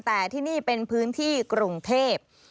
แต่ที่นี่เป็นพื้นที่กรุงเทพ